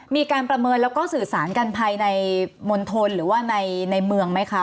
มีการประเมินแล้วก็สื่อสารกันภัยในมนตรมากมายไหมคะ